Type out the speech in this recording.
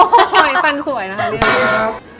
โหฝันสวยนะ